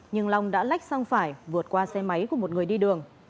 nhưng long đã lách sang phải vượt qua xe máy của một người đi đường